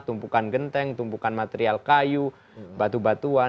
tumpukan genteng tumpukan material kayu batu batuan